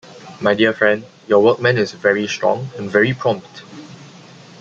My dear friend, your workman is very strong — and very prompt.